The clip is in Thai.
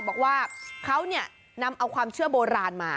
บอกว่าเขานำเอาความเชื่อโบราณมา